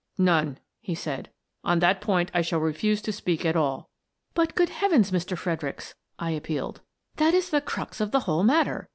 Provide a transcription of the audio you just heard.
" None," he said. " On that point I shall re fuse to speak at all." "But, good Heavens, Mr. Fredericks," I ap pealed, " that is the crux of the whole matter!